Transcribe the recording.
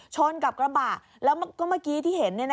ชนกับกระบะแล้วก็เมื่อกี้ที่เห็น